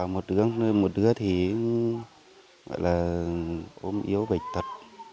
một đứa thì ốm yếu bệnh tật